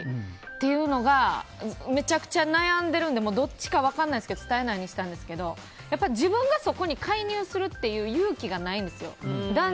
っていうのがめちゃくちゃ悩んでるんでどっちか分からないですけど伝えないにしたんですけど自分がそこに介入するという勇気がないんですよ。